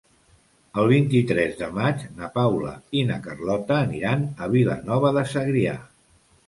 El vint-i-tres de maig na Paula i na Carlota aniran a Vilanova de Segrià.